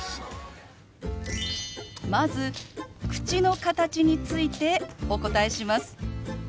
まず口の形についてお答えします。